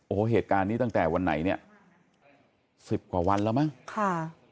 โอ้โหเหตุการณ์นี้ตั้งแต่วันไหนเนี่ยสิบกว่าวันแล้วมั้งค่ะ